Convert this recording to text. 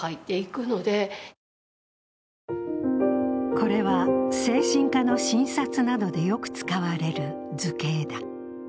これは精神科の診察などでよく使われる図形だ。